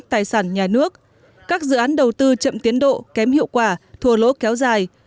tài sản nhà nước các dự án đầu tư chậm tiến độ kém hiệu quả thua lỗ kéo dài